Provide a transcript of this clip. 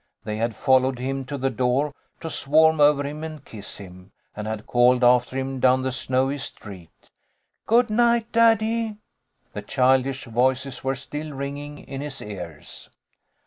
They had followed him to the door to swarm over him and kiss him, and had called after him down the snowy street, " Good night, daddy !" The childish voices were still ringing in his ears.